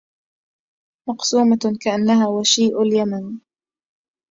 مقسومة كأنها وشيُ اليمن